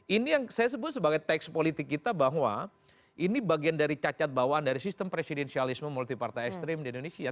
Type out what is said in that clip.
ini yang saya sebut sebagai teks politik kita bahwa ini bagian dari cacat bawaan dari sistem presidensialisme multi partai ekstrim di indonesia